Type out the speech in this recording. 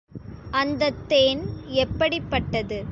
அந்தத் தேன் எப்படிப்பட்டது?